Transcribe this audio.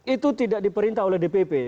itu tidak diperintah oleh dpp